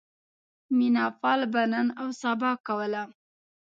مینه پال به نن اوسبا کوله.